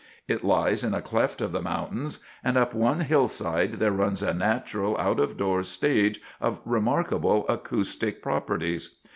It lies in a cleft of the mountains: and up one hillside there runs a natural out of doors stage of remarkable acoustic properties.